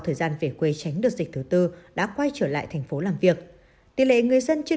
thời gian về quê tránh đợt dịch thứ tư đã quay trở lại thành phố làm việc tỷ lệ người dân chưa